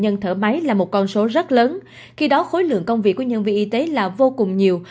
nhân thở máy là một con số rất lớn khi đó khối lượng công việc của nhân viên y tế là vô cùng nhiều